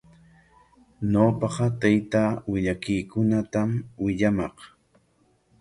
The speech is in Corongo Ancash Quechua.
Ñawpaqa taytaa willakuykunatami willamaq.